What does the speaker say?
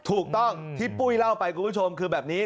ถูกต้องที่ปุ้ยเล่าไปคุณผู้ชมคือแบบนี้